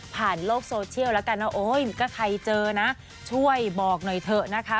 โลกโซเชียลแล้วกันว่าโอ๊ยก็ใครเจอนะช่วยบอกหน่อยเถอะนะคะ